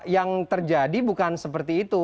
yang terjadi bukan seperti itu